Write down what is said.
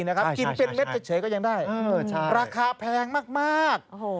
กินเป็นเม็ดเฉยก็ยังได้ราคาแพงมาก